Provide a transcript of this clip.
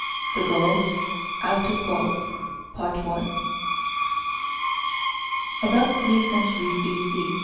THE GAULS OUT OF GAUL. About three centuries B.